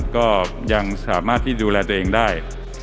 ก็ยังสามารถที่ดูแลตัวเองได้